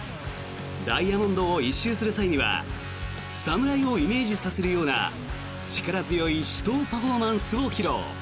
ダイヤモンドを１周する際には侍をイメージさせるような力強い手刀パフォーマンスを披露。